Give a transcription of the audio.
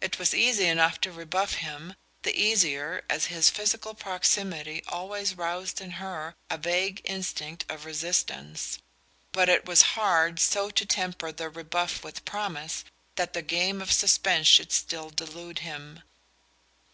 It was easy enough to rebuff him, the easier as his physical proximity always roused in her a vague instinct of resistance; but it was hard so to temper the rebuff with promise that the game of suspense should still delude him.